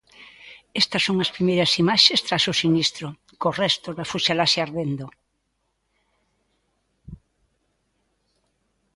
Estas son as primeiras imaxes tras o sinistro, cos restos da fuselaxe ardendo.